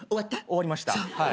終わりました。